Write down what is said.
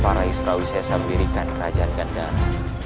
para israwi saya sambil ikan kerajaan gandara